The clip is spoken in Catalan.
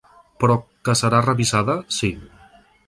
Però que serà revisada, sí.